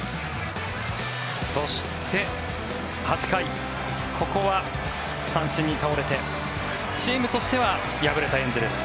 そして、８回ここは三振に倒れてチームとしては敗れたエンゼルス。